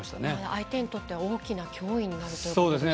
相手にとって大きな脅威になるということですよね。